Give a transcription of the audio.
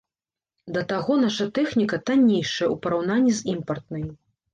Да таго, наша тэхніка таннейшая ў параўнанні з імпартнай.